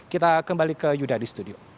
kita kembali ke yuda di studio